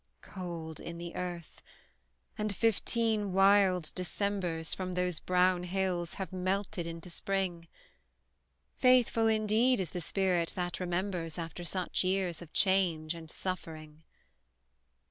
Cold in the earth and fifteen wild Decembers, From those brown hills, have melted into spring: Faithful, indeed, is the spirit that remembers After such years of change and suffering!